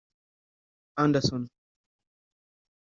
Anderson